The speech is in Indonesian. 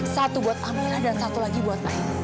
satu buat amirah dan satu lagi buat ail